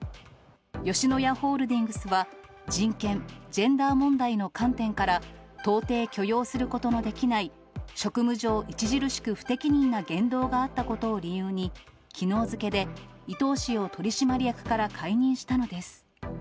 吉野家ホールディングスは、人権・ジェンダー問題の観点から、到底許容することのできない、職務上、著しく不適任な言動があったことを理由に、きのう付けで伊東氏を取締役から解任したのです。